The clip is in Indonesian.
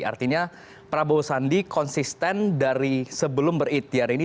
artinya prabowo sandi konsisten dari sebelum berikhtiar ini